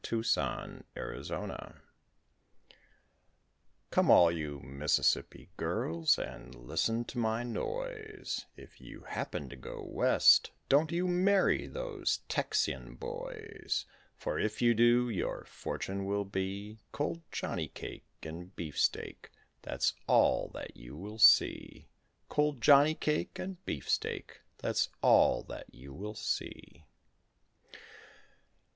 MISSISSIPPI GIRLS Come, all you Mississippi girls, and listen to my noise, If you happen to go West, don't you marry those Texian boys; For if you do, your fortune will be Cold jonny cake and beefsteak, that's all that you will see, Cold jonny cake and beefsteak, that's all that you will see.